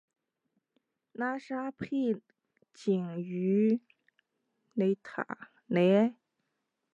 拉沙佩勒于雷埃。